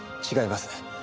違います。